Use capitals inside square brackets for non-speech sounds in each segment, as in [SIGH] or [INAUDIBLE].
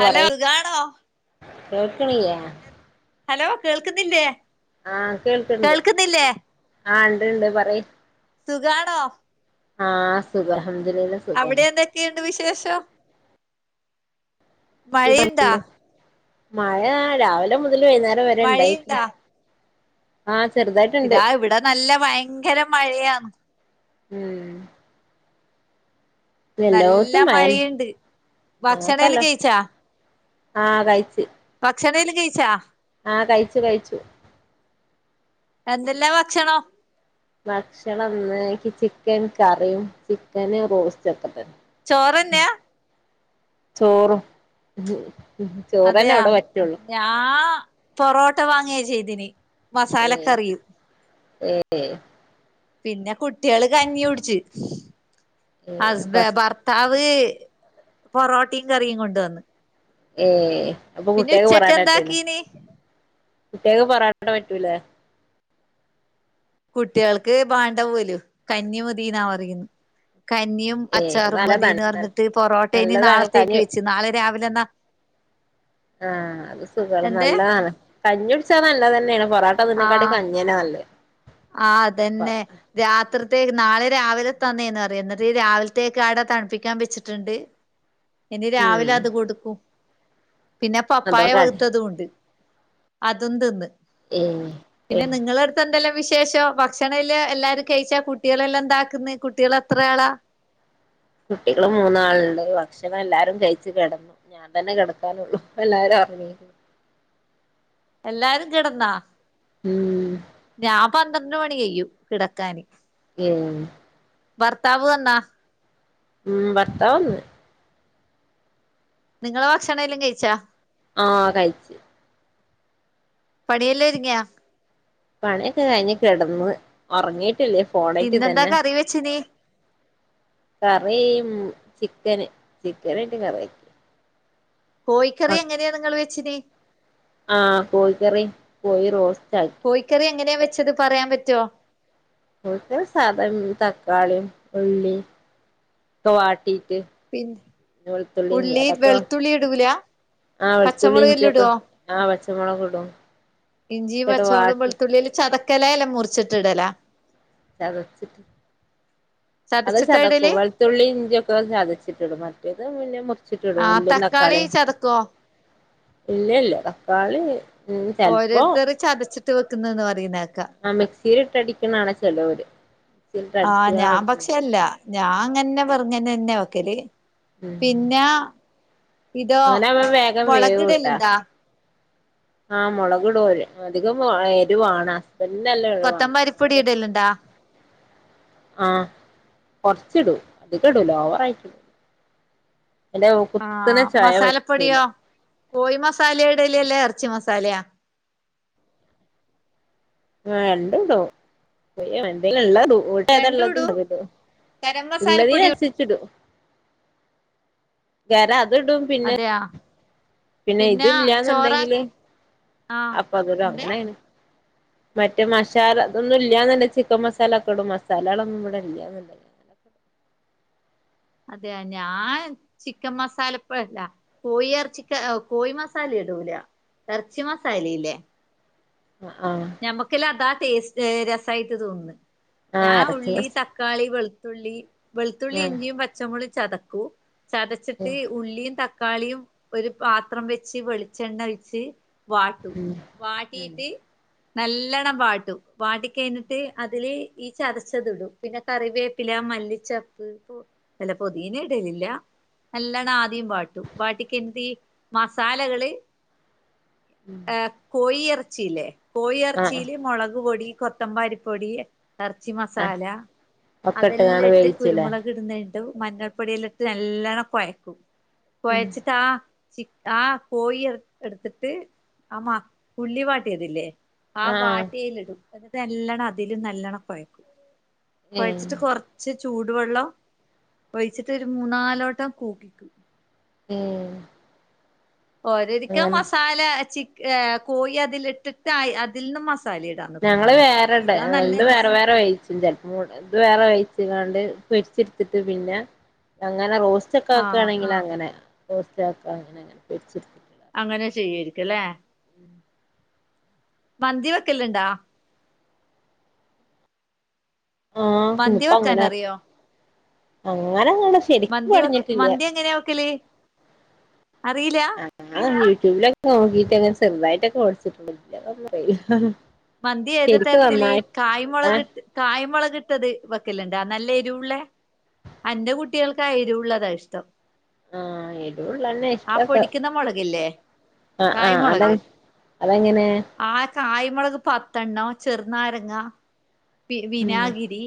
Hello സുഖാണോ കേൾക്ണ് ല്ല്യെ? ഹലോ കേൾക്കുന്നില്ലേ ആഹ്കേൾക്ക്ണ്ട് കേൾക്കുന്നില്ലേ ആഹ്ണ്ട് ണ്ട് പറി. സുഖാണോ ആഹ് സുഖം അൽഹംദുലില്ല അവിടെ എന്തൊക്കെയുണ്ട് വിശേഷം മഴയുണ്ടാ മഴ രാവിലെ മുതൽ വൈന്നേരം വരെ ണ്ടായി മഴയുണ്ടാ ആഹ് ചെർതായിട്ട് [INAUDIBLE] ഇതാ ഇവിട നല്ല വയങ്കര മഴയാന്ന് ഉം നല്ല എല്ലോട്ത്തും മയന്നെ മഴയുണ്ട് ഭക്ഷണേലും ഞങ്ങക്കെല്ലാ കഴിച്ചാ ആ കയ്ച്ച് ഭക്ഷണേൽ കഴിച്ചാ ആഹ് കയ്ച്ചു കയ്ച്ചു എന്തല്ലാ ഭക്ഷണം ഭക്ഷണന്ന് ക്ക് ചിക്കൻ കറിയും ചിക്കന് റോസ്റ്റക്കെ തന്നെ ചോറന്നെയാ ചോറും അതെയാ ചോറന്നെവിടെ പറ്റുള്ളൂ ഞാ പൊറോട്ട വാങ്ങിയ ചെയ്തിന് ഏ മസാലക്കറിയും ഏ പിന്നെ കുട്ട്യള് കഞ്ഞി കുടിച്ച് ഏഹ് അപ്പൊ ഹസ്ബെ ഹസ് ഭർ ത്താവ് പൊറോട്ടെം കറിയും കൊണ്ടന്ന് ഏഹ് അപ്പ കുട്ട്യാക്ക് ഉച്ചക്ക് പൊറാട്ടാ പറ്റൂല എന്താക്കീന് കുട്ട്യാക്ക് പൊറോട്ട പറ്റൂല കുട്ടികൾക്ക് വാണ്ട പോലും കഞ്ഞി മതിയെന്നാ പറയുന്നേ കഞ്ഞിയും ഏയ് അത് അച്ചാറു മതിന്ന് നല്ലതാണ് പറഞ്ഞിട്ട് പൊറോട്ട ഇനി നല്ലതാണ് നാളത്തേക്ക് കഞ്ഞി വെച്ചു നാളെ രാവിലെ എന്നാ ആഹ അത് സുഖങ്ങള് എന്ത് നല്ലതാണ് കഞ്ഞുടിച്ചാ നല്ല തന്നെയാണ് പൊറോട്ട തിന്നെക്കാട്ടി ആഹ് കഞ്ഞിയന്നെ നല്ലെ ആഹ് അതന്നെ രാത്രിത്തേക്ക് നാളെ രാവിലെ തന്നേന്ന് പറയ് ന്നിട്ട് രാവില്ത്തേക്ക് അവിടെ തണുപ്പിക്കാൻ വെച്ചിട്ടുണ്ട് [UNINTELLIGIBLE] ഇനി ഉം രാവിലെ അത് കൊടുക്കും പിന്നെ പപ്പായ അതോണ്ടാണ് പഴുത്തതും ഉണ്ട് അതും തിന്ന് ഏഹ് പിന്നെ നിങ്ങളെടുത്ത് എന്തെല്ലാ വിശേഷം ഭക്ഷണല് എല്ലാരും കയ്ച്ചാ കുട്ടികളെല്ലാം എന്താക്കുന്ന കുട്ടികൾ എത്രയാളാ കുട്ടികള് മൂന്നാളുണ്ട് ഭക്ഷണം എല്ലാരും കഴിച്ചു കിടന്നു ഞാൻ തന്നെ കിടക്കാനുള്ളൂ എല്ലാരും ഉറങ്ങി എല്ലാരും കെടന്നാ ഉം ഞാൻ പന്ത്രണ്ട് മണി കഴിയും കിടക്കാന് ഉം ഭർത്താവ് വന്നോ ഉം ഭർത്താവന്ന് നിങ്ങള് ഭക്ഷണെലാ കയിച്ചാ ആഹ് കയിച്ചു പണിയെല്ലാതുങ്ങിയാ പണിയെക്കെ കയ്ഞ്ഞ് കെടന്ന് ഒറങ്ങീട്ടില്ല ഇന്നെന്താ കറി വെച്ചത് കറീം ചിക്കന് ചിക്കനിട്ട് കറി കോഴിക്കറി എങ്ങനെയാ നിങ്ങള് വെച്ചിന് ആഹ് കോഴിക്കറി കോഴി റോസ്റ്റ് ആക്കി കോയിക്കറി എങ്ങനെയാ വെച്ചത് പറയാൻ പറ്റോ കോഴിക്കറി സാദാ തക്കാളിം ഉള്ളിം ക്കെ വാട്ടീട്ട് പിന്നെ ഉള്ളി വെളുത്തുള്ളി ഇടൂല ആ വെളുത്തുള്ളി പച്ചമുളക് എല്ലാം ഇഞ്ചിയൊക്കെ ആ പച്ചമൊളകുടും ഇഞ്ചീം പച്ചമൊളൊം വെളുത്തുള്ളീല്ലാ ചതക്കല എല്ലാം മുറിച്ചിട്ടിടലാ ചതച്ച്ട്ട് അതെ ചതച്ചിട്ടാ ശതക്കു ഇടല് [UNINTELLIGIBLE] വെളുത്തുള്ളി ഇഞ്ചിയൊക്കെ ചതച്ചിട്ടിടും മറ്റേത് പിന്നെ മുറിച്ചിട്ടിടും ആഹ് ഉള്ളിയും തക്കാളി തക്കാളിയും ചതക്കുവോ ഇല്ല ഇല്ല തക്കാളി ഉം ചെലപ്പോ ഓരോരുത്തർ ചതച്ചിട്ട് വെക്കുന്നന്ന് പറയുന്ന കേക്കാം ആ മിക്സിയിലിട്ട് അടിക്കുന്നതാണ് ചിലോര് മിക്സിൽ ആഹ് ഇട്ടടിച്ചാൽ ഞാൻ പക്ഷെ അല്ല ഞാൻ അങ്ങനെ പറഞ്ഞ് തന്ന്ന്നെയാ വെക്കല് ഉം പിന്നാ ഇതോ അങ്ങനാവുമ്പോ വേഗം മൊളകിടലുണ്ടോ ആഹ് മുളകിടും അവര് അധികം എരുവാണ് പിന്നെല്ലാ എരിവാണ് കൊത്തമ്പാരിപ്പൊടി മറ്റേ ഇടലുണ്ടാ ആഹ് കൊറച്ചിടും അതധികമിടൂല്ല ഓവറ ആയിട്ടിടൂല [INAUDIBLE] ആ ചൊയ പറ്റൂല മസാലപ്പൊടിയോ കോഴി മസാലിടലല്ലേ ഇറച്ചി മസാലയോ ആ രണ്ടും ഇടും എൻറെലുള്ളതിടും [UNINTELLIGIBLE] രണ്ടും ഇടും അതിലും ഗരം മസാലപ്പൊടി ഉള്ളതിനനുസരിച്ച് ഇടും ഗരം അത് ഇടും പിന്നെ അതെയാ പിന്നെ ഇത് ഇല്ലാന്നുണ്ടെങ്കില് ആ അപ്പ അതൊന്ന് എന്തേ അങ്ങനാണ് മറ്റേ മശാല അതൊന്നുംല്ലാന്നുണ്ടെങ്കി ചിക്കൻ മസാലൊക്കെയിടും മസാലകളൊന്നും ഇവിടെ ഇല്ലന്നുണ്ടെങ്കിൽ അതെ ഞാൻ ചിക്കൻ മസാലപ്പോഴല്ല കോഴി ഇറച്ചിക്ക് കോഴി മസാല ഇടൂല ഇറച്ചി മസാലയില്ലേ ആഹ് നമക്കെല്ല അതാ ടേസ്റ്റ് രസായിട്ട് തോന്നുന്നേ ഞാ ആ ഇറച്ചി ഉള്ളി മസ തക്ക് തക്കാളി വെളുത്തുള്ളി വെളുത്തുള്ളി ആ ഇഞ്ചിയും പച്ചമുളക് ചതക്കൂം ചതച്ചിട്ട് ഉം ഉള്ളിയും തക്കാളിയും ഒരു പാത്രം വെച്ച് വെളിച്ചെണ്ണ ഒഴിച്ച് വാട്ട് ഉം ഉം വാട്ടീട്ട് നല്ലോണം വാട്ടും. വാടിക്കഴിഞ്ഞിട്ട് അതില് ഈ ചതച്ചത് ഇടൂം പിന്നെ കറിവേപ്പില മല്ലിച്ചെപ്പ് പുതീല പുതീന ഇടലില്ല നല്ലണം ആദ്യം വാട്ടും വാട്ടിക്കഴിഞ്ഞിട്ടു ഈ മസാലകള് ഉം കോഴിറച്ചില്ലേ ആ ആ കോഴിറച്ചിയില് മുളകുപൊടി കൊ ക്കൊത്തമ്പിരിപ്പൊടി ഇറച്ചി ആ മസാല ഒക്കെ അതെല്ലാം ഇട്ട്കാണ്ട് ഇട്ട് വേവിച്ചുല്ലേ കുരുമുളക് ഇതിടുന്നഴിട്ട് മഞ്ഞൾപ്പൊടിയിലിട്ട് നല്ലവണ്ണം കുഴക്കും ഉം കുഴച്ചിട്ടാ ചിക്ക് ആഹ് കോഴി എടുത്തിട്ട് നമ്മ ഉള്ളി വാട്ടിയതില്ലേ ആഹ് ആ വാട്ടിയയിലിടും അത് നല്ലോണ്ണം അതിലും നല്ലോണം കൊഴക്കും ഏ കൊഴച്ചിട്ട് കൊറ ച്ച് ചൂടുവെള്ളം ഒഴിച്ചിട്ട് ഒരു മൂന്നാല് വട്ടം കൂക്കിക്കൂം ഉം ഓരൊരിക്കും മസാല ചി അഹ് കോഴി അതിലിട്ടിട്ട് അതിൽ നിന്നും മസാല ഇടാം ഞങ്ങള് വേറെ ഇടെ രണ്ടും വേറെ വേറെ വേവിച ൻറെ മോൾ വേറെ വേവിച്ച് കാണ്ട് പൊരിച്ചെടുത്തിട്ട് പിന്നെ അങ്ങനെ റോസ്റ്റ് ഉച്ചക്കൊക്കെ ആഹ് ആണെങ്കിൽ അങ്ങനെയാ റോസ്റ്റാക്കാ പൊരിച്ചെടുത്തിട്ട് അങ്ങനെ ചെയ്യയിരിക്കും അല്ലേ [INAUDIBLE] മന്തി വെക്കെല്ലുണ്ടാ ആഹ് മന്തി ഇന്നപ്പ അങ്ങനെവക്കു വെക്കാനറിയോ അങ്ങനെങ്ങ മന്തി വെക്ക് മന്തി എങ്ങനെയാ വെക്കല് അറിയില്ല ഞാൻ യൂട്യൂബിലൊക്കെ നോക്കിട്ട് അങ്ങനെ ചെറുതായിട്ടൊക്കെ ഓടിച്ചിട്ടു വെക്കും അറിയില്ല മന്തി ഏത് ശരിക്കും തരത്തില് നന്നായി ഏഹ് കായ്മുളകിട്ട് കായ്മുളകിട്ടത് വെക്കലുണ്ടോ നല്ല എരിവുള്ളേ അന്റെ കുട്ടികൾക്കാ എരിവുള്ളതാ ഇഷ്ടം ആഹ് എരിവുള്ളയെന്നെ ആ ഇഷ്ടം ഒക്കെ പൊടിക്കുന്ന മുളകില്ലേ ആഹ് ആഹ് അതെ അതെ എങ്ങനെ ആഹ് കായ്മുളക് പത്തെണ്ണം ചെറുനാരങ്ങ ഉം വിനാഗിരി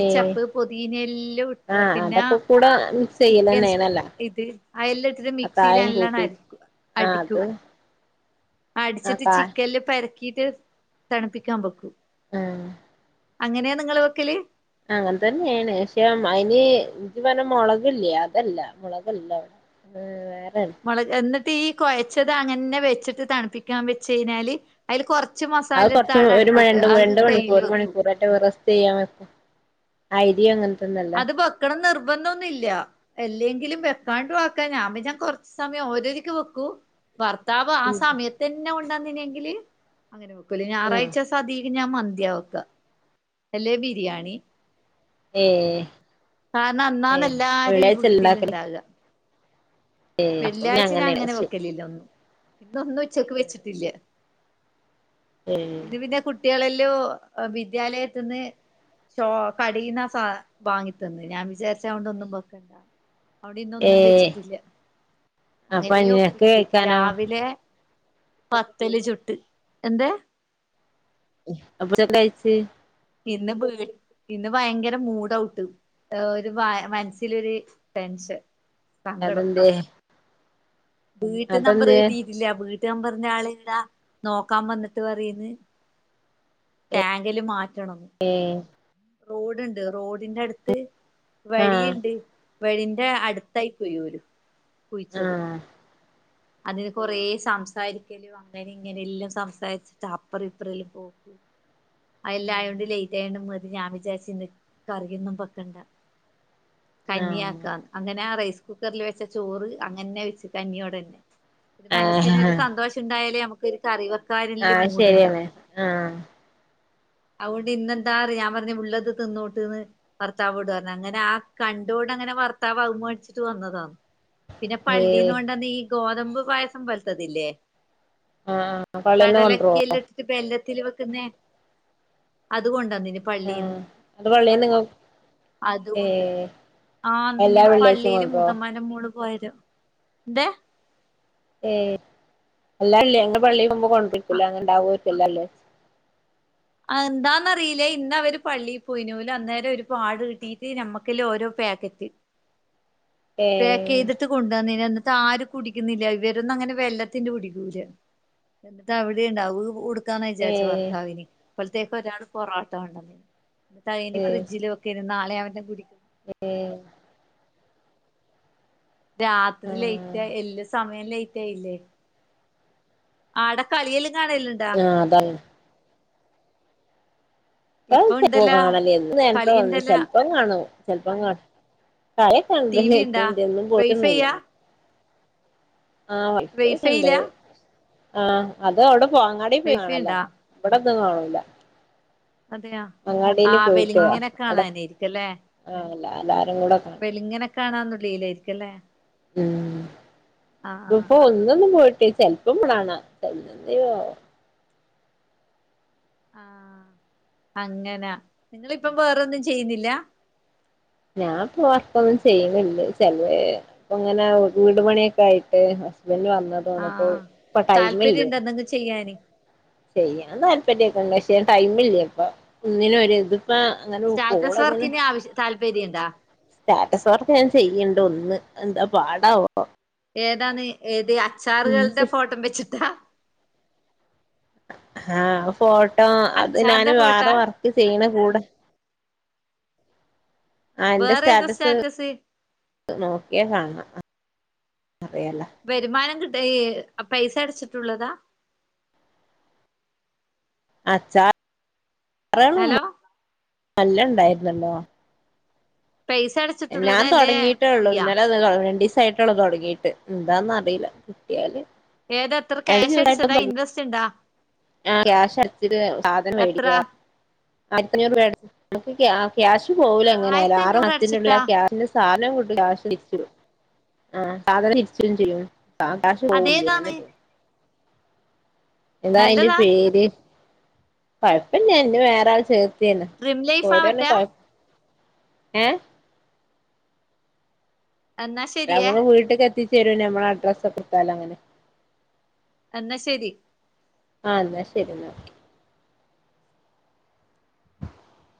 ഏഹ് പൊതിനെയല്ലാം ഇട്ട് ആഹ് പിന്നാ അതൊക്കെ കൂടെ മിക്സ് ചിക്കൻ സ് ചെയ്യലന്നേണല്ലോ ഇത് അയെല്ലാം ഇടിട്ട് ആ മിക്സിയില് കായം നല്ലവണ്ണം അടി കൂട്ടിട്ട് ആഹ് അത് അടിക്കും ആ അടിച്ചിട്ട് കാ ചിക്കനില്ല് പെരക്കിയിട്ട് തണുപ്പിക്കാൻ വെക്കും ഏഹ് അങ്ങനെയാ നിങ്ങള് വെക്കല് അങ്ങന തന്നെയാണ് പക്ഷെ അതിന് ഇത് [UNINTELLIGIBLE] മുളകില്ലേ അതല്ല മുളകല്ല [UNINTELLIGIBLE] ആ വേറെല്ലെ മൊള എന്നിട്ട് ഈ കോഴ്ച്ചത് അങ്ങനെ വെച്ചിട്ട് തണുപ്പിക്കാൻ വെച്ചയ്ഞ്ഞാല് അതിൽ കുറച്ച് അത് മസാല എടുത്ത് കൊറച്ച് ആടെ അടുപ്പത്ത് അ കയ്യിൽ വെക്കും എവറസ്റ്റെയ്യാന് വെക്ക ഐഡിയാണെല്ലോ അത് ബെക്കണം നിർബന്ധൊന്നുല്ല എല്ലെങ്കിലും വെക്കാണ്ട് വക്കാ ഞാമ്മിന്ന കുറച്ച സമയം ഓരോരിക്ക് വെക്കൂ ഭർത്താവ് ആ ഉം സമയത്ത് തന്നെ കൊണ്ടന്നനെങ്കില് അങ്ങനെ വെക്കല് ആ ഞായറാഴ്ച സതി [UNINTELLIGIBLE] ഞാൻ മന്തിയാ വെക്ക അല്ലേ ബിരിയാണി ഏഹ് കാരണം അന്നാന്ന എല്ലാരും ഈ ഉണ്ടാക്കല് വീട്ടില്ണ്ടാവ ഏ അപ്പൊ പിന്നെ വെള്ളിയാഴ്ച്ച ഞാൻ അങ്ങനെയാണ് അങ്ങനെ ശരി വെക്കലില്ല ഒന്നും ഇന്നൊന്നും ഉച്ചക്ക് വെച്ചിട്ടില്ല ഏ ഇന്ന് പിന്നെ കുട്ടികളെല്ലോ വിദ്യാലയത്തിന്ന് ഷോ കടീന്നാ സ വാങ്ങി തിന്ന് ഞാൻ വിചാരിച്ചതൊണ്ട് ഒന്നും വെക്കണ്ട അവിടെ ഏ ഇന്നൊന്നും വെച്ചിട്ടില്ല അപ്പൊ അങ്ങനെയ് നിനക്ക് ഒപ്പിച്ച് കഴിക്കാനോ രാവിലെ പത്തല് ചുട്ട് എന്ത്‌ [UNINTELLIGIBLE] കയ്ച്ച് ഇന്ന ബീട് ഇന്ന് ഭയങ്കര മൂഡൗട്ട് ന്താ ഒരു മനസ്സിലോരു ടെൻഷൻ അതെന്തേ വീട്ടു നമ്പർ അതെന്തേ കിട്ടിട്ടില്ല വീട്ട് നമ്പറിന്റെ ആള് ഇവിടാ നോക്കാൻ വന്നിട്ട് പറയന്ന് ടാങ്കില് മാറ്റണം ഏഹ് റോഡുണ്ട് റോഡിന്റെ അടുത്ത് ആ വഴിയുണ്ട് വെളിന്റെ അടുത്തായി പോയോരും ആഹ് അതിന് കൊറെ സംസാരിക്കലോ അങ്ങനെ ഇങ്ങനെ എല്ലാം സംസാരിച്ചിട്ട് അപ്പറം ഇപ്പറല്ലും പോക്കൂ അതെല്ല ആയൊണ്ട് ലേറ്റ് ആയണ്ട് മതി ഞാവിജാരിച്ചിന്ന് കറിയൊന്നും വെക്കണ്ട കഞ്ഞി ആക്കാന്ന് അങ്ങനെ ആ റൈസ് കുക്കറിൽ വെച്ച ചോറ് അങ്ങനെ വെച്ച കഞ്ഞിയോടന്നെ ആ മനസ്സിന് ഒരു ആ സന്തോഷം ഉണ്ടായാലേ നമുക്ക് ക്ക് കറിവക്കാരില് ആഹ് ശരിയാണ് മൂഡണ്ടാവും ആഹ് അയ്കൊണ്ട് ഇന്നെന്താ ഞാൻ പറഞ്ഞ ഉള്ളത് തിന്നോട്ട്ന്ന് ഭർത്താവോട് പറഞ്ഞ അങ്ങനെ ആ കണ്ടോട അങ്ങനെ ഭർത്താവ് [UNINTELLIGIBLE] വന്നതാണ് പിന്നെ ഈ പള്ളീന്ന് കൊണ്ടന്ന് ഈ ഗോതമ്പ് പായസം പോലത്തതില്ലേ ആഹ് പള്ളീന്ന് കൊണ്ടരോ കടലക്കെല്ലാം ഇട്ടിട്ട് ബെല്ലത്തിൽ വെക്കുന്നേ അതുകൊണ്ടാ ആഹ അത് പള്ളി നിങ്ങക്ക് അതൊണ്ട് ആ എല്ലാ ഇങ്ങനെ വെള്ളിയാഴ്ചയും പള്ളിയില് കൊണ്ടരോ മുതമാന മോളും [UNINTELLIGIBLE] എന്താ ഏ അല്ലല്ലേ ഞങ്ങടെ പള്ളിൽ പോകുമ്പോ കൊണ്ടിരിക്കലോ അങ്ങനെ ഉണ്ടാവോര്ക്കില്ലലെ എന്താന്നറിയില്ല ഇന്നവര് പള്ളിൽ പോയിന പോല അന്നേരം ഒരു പാട് കിട്ടീട്ട് നമ്മക്കല്ല ഓരോ പാക്കറ്റ് പെക്ക് ഏഹ് യ്തിട്ട് കൊണ്ടന്നിന് എന്നിട്ട് ആരും കുടിക്കുന്നില്ല ഇവരോന്ന ങ്ങനെ വെല്ലത്തിന്റെ കുടിക്കൂല എന്നിട്ട് അവിടെ ഉണ്ടാവു വെക്കാന്ന് വിജാര്ച്ച് ഏഹ് ഭർത്താവിന് അപ്പോയ്ത്തേക്ക് ഒരാടള് പൊറാട്ട കൊണ്ടന്ന് എന്നിട്ടയ്നി ഫ്രിഡ്ജിൽ വെക്കാ തിരുന്നാളെ അവന്റെ കുടി ഏ രാത്രി ആഹ് ലേറ്റ് എല്ല സമയം ലേറ്റ് ല്ലേ ആടെ കളിയലും കാണല ആ അതാണ് ഇപ്പൊ പ്പോ ഇണ്ടല്ലോ കാണല്ലേന്ന് നേരത്തെ വന്ന് കളിയുണ്ടല്ലോ ചെൽപ്പം കാണും ചെൽപ്പം കാ [UNINTELLIGIBLE] [UNINTELLIGIBLE] ടി വി ഉണ്ടാ പോയിട്ടൊന്നുല്ലല്ലോ വൈഫൈയാ ആഹ് വൈഫൈയില്ല വൈഫൈക്കെണ്ട് ആ അത് അവിടെപോ അങ്ങാടി പോയി വൈഫൈ കാണലാ ഉണ്ടാ ഇവടെന്ന് കാണൂല അതെയോ ആ അങ്ങാടില് വെല്ങ്ങനെ കാണാനായിരിക്കൂലെ ആ ല്ല എല്ലാരുകൂടെ കാ വെല്ങ്ങനെ കാണാന്നുള്ളീലായിരിക്കൂലെ ഉം ആ ഇപ്പം ഒന്നൊന്നും പോയ്ട്ട്ല്ല ചെൽപ്പം കാണാ [UNINTELLIGIBLE] ആ അങ്ങനാ നിങ്ങളിപ്പം വേറൊന്നും ചെയ്യുന്നില്ലാ ഞാൻപ്പൊ വർക്കൊന്നും ചെയ്യുന്നില്ല ചെലെ ഇപ്പങ്ങനെ വീട് പണിക്കെ ആയിട്ട് ഹസ്ബൻഡ് വന്നതാണ്പ്പോ ആഹ് ഇപ്പ ടൈമില്ല താല്പര്യണ്ടോ എന്തെങ്കിലും ചെയ്യാന് ചെയ്യാൻ താല്പര്യക്കെണ്ട് പക്ഷെ ടൈമില്യപ്പൊ ഒന്നിനും ഒര് ഇത് ഇപ്പാ അങ്ങനെ സ്റ്റാറ്റസ് കോളങ്ങനെ വർക്കിന് ആവശ്യ താല്പര്യണ്ടാ സ്റ്റാറ്റസ് വർക്ക്‌ ഞാൻ ചെയ്യ്ണ്ട് ഒന്ന് എന്താ പാടാവോ ഏതാണ് ഏത് ഉം അച്ചാറ്കൾടെ ഫോട്ടം വെച്ച്ട്ടാ ആ ഫോട്ടോ അത് അച്ചാറിന്റെ ഞന് ഫോട്ടാ വേറെ വർക്ക് ചെയ്യുന്ന കൂടെ ആ എന്റെ വേറെ ഏതാ സ്റ്റാറ്റസ് നോക്യാ കാണാ അറിയാലോ വരുമാനം കിട്ട പൈസ അടച്ചിട്ടുള്ളതാ അച്ചാറ് കളും ഹലോ എല്ലണ്ടായിരുന്നല്ലോ പൈസ അട എല്ലാം തൊടങ്ങീട്ടൊള്ളൂ ഇന്നലെ അ രണ്ടിസ- ച്ചായിട്ടൊള്ളൂ തൊടങ്ങീട്ട് എന്താന്നറീല കിട്യാല് ഏത ത്ര ക്യാഷ് അടിച്ചതാ ഇൻവെസ്റ്റ്ണ്ടാ ആ ക്യാഷ് അടച്ചിട്ട് സാധനം മേടിക്കാ ആയിരത്തഞ്ഞൂറ് രൂപ അടച്ച്ട്ട് നമക്ക് ക്യാഷ് പോകൂല എങ്ങനായാലും ആയിരത്തി ആറ് അഞ്ഞൂറ് മാസ്ത്തിനുള്ള് ആ അടച്ചിട്ടാ ക്യാഷ് സാധനം കിട്ടും ക്യാഷ് തിരിച്ചിടും ആ സാധനം തിര്ച്ചും ചെയ്യും ആ ക്യാഷ് പോവുല്യ അങ്ങനെ അതേതാണ് തോന്ന്ണ് എന്താ ഐന്റെ നല്ലതാ പേര് കൊഴപ്പല്യ ഇഞ്ഞി വേറാളെ ചേർ ചേർത്തീന്നു ഡ്രിം ലൈഫാ ഓരർഞ്ഞു മറ്റേ കൊഴ ഏ എന്നാ ശരിയേ നമ്മള് വീട്ട്ക്കെത്തിച്ചെരും ഞമ്മടെ അഡ്രസ് കൊടുത്താല് അങ്ങനെ എന്നാ ശെരി ആഹ് എന്നാ ശെരിന്നാ [INAUDIBLE]